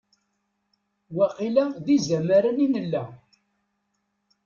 Waqila d izamaren i nella.